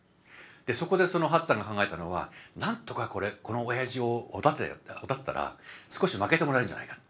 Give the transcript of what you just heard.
そこでその八っつぁんが考えたのは何とかこのおやじをおだてたら少しまけてもらえるんじゃないかと。